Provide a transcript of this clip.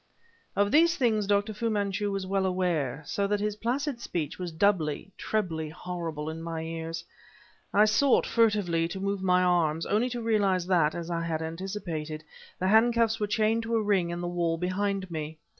Of these things Dr. Fu Manchu was well aware, so that his placid speech was doubly, trebly horrible to my ears. I sought, furtively, to move my arms, only to realize that, as I had anticipated, the handcuffs were chained to a ring in the wall behind me.